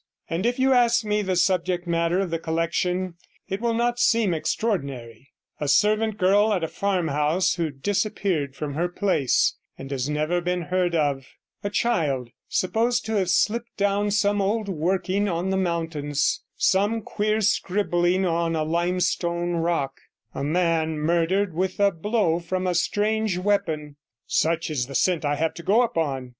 And if you ask me the subject matter of the collection, it will not seem extraordinary — a servant girl at a farmhouse, who disappeared from her place and has never been heard of, a child supposed to have slipped down some old working on the mountains, some queer scribbling on a limestone rock, a man murdered with a blow from a strange weapon; such 49 is the scent I have to go upon.